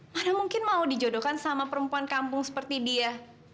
mana mungkin mau dijodohkan sama perempuan kampung seperti dia